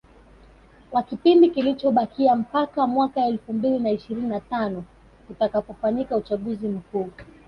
kwa kipindi kilichobakia mpaka mwaka elfu mbili na ishirini na tano utakapofanyika uchaguzi mkuu